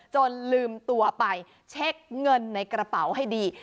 จนลืมตัวไปเช็คเงินในกระเป๋าให้ดี